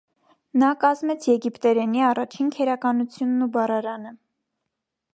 Նա կազմեց եգիպտերենի առաջին քերականությունն ու բառարանը։